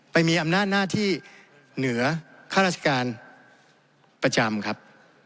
ไปมีอำนาจหน้าที่เหนือข้าราชการประจำครับ